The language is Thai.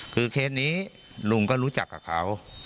คือเคสนี้ลุงก็รู้จักกับเขา